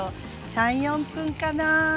３４分かな。